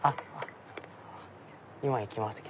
今行きますね。